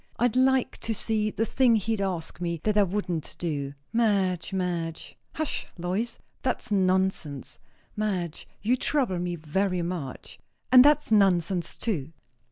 I'd like to see the thing he'd ask me, that I wouldn't do." "Madge, Madge!" "Hush, Lois; that's nonsense." "Madge you trouble me very much." "And that's nonsense too."